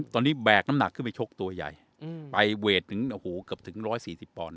ตอนนี้แบกน้ำหนักขึ้นไปชกตัวใหญ่ไปเวทถึงโอ้โหเกือบถึง๑๔๐ปอนด